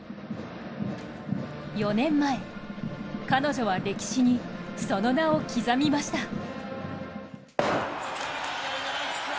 ４年前、彼女は歴史にその名を刻みました。